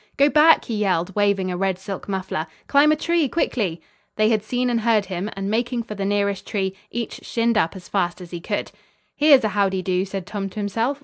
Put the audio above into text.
"Go back!" he yelled, waving a red silk muffler. "Climb a tree quickly!" They had seen and heard him, and making for the nearest tree, each shinned up as fast as he could. "Here's a howdy do," said Tom to himself.